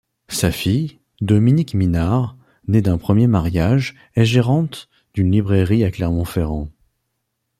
Sa fille, Dominique Minard, née d'un premier mariage, est gérante d'une librairie à Clermont-Ferrand.